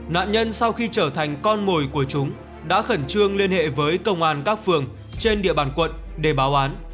nạn nhân sau khi trở thành con mồi của chúng đã khẩn trương liên hệ với công an các phường trên địa bàn quận để báo bán